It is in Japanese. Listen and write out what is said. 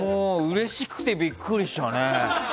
うれしくてビックリしたね